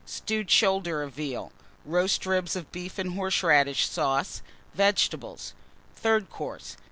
Stewed Shoulder of Veal. Roast Ribs of Beef and Horseradish Sauce. Vegetables. THIRD COURSE.